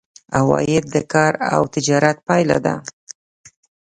عواید د کار او تجارت پایله دي.